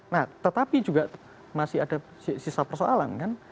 nah tetapi juga masih ada sisa persoalan kan